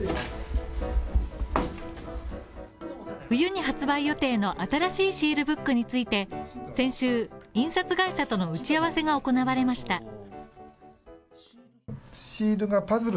冬に発売予定の新しいシールブックについて先週、印刷会社との打ち合わせが行われました。